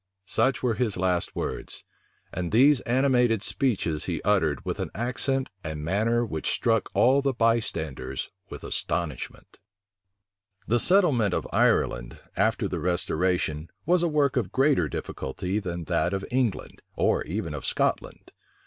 Such were his last words: and these animated speeches he uttered with an accent and manner which struck all the bystanders with astonishment. * Burnet, p 237. * Wodrow's History, vol. i. p. 255. The settlement of Ireland, after the restoration, was a work of greater difficulty than that of England, or even of Scotland.